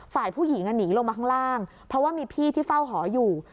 ฝ่ายผู้หญิงหนีลงมาข้างล่างเพราะว่ามีพี่ที่เฝ้าหออยู่